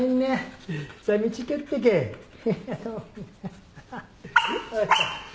ハハハ。